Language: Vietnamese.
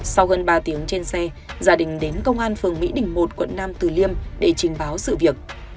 sau gần ba tiếng trên xe gia đình đến công an phường mỹ đình một quận nam từ liêm để trình báo sự việc